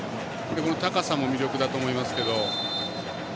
高さも魅力だと思いますけど。